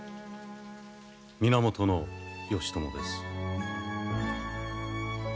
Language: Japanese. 源義朝です。